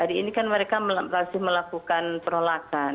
hari ini kan mereka masih melakukan penolakan